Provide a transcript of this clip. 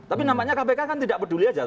tapi namanya kpk kan tidak peduli saja